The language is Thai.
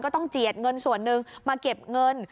ต้องเจียดเงินส่วนหนึ่งมาเก็บเงิน